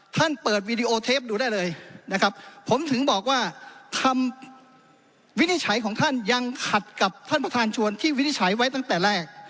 ท่านเปิดวีดีโอเทปดูได้เลยนะครับผมถึงบอกว่าคำวินิจฉัยของท่านยังขัดกับท่านประธานชวนที่วินิจฉัยไว้ตั้งแต่แรก